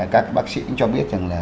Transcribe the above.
các bác sĩ cho biết rằng